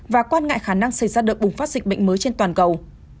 và quan ngại khả năng xảy ra đợt bùng phát dịch bệnh mới trên toàn cầu